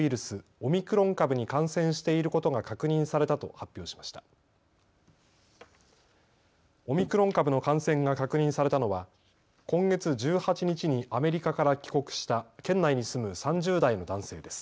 オミクロン株の感染が確認されたのは今月１８日にアメリカから帰国した県内に住む３０代の男性です。